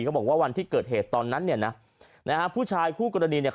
บอกว่าวันที่เกิดเหตุตอนนั้นเนี่ยนะนะฮะผู้ชายคู่กรณีเนี่ย